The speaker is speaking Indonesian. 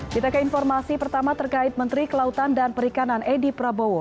ditaka informasi pertama terkait menteri kelautan dan perikanan edy prabowo